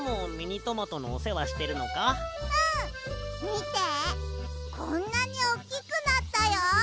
みてこんなにおっきくなったよ！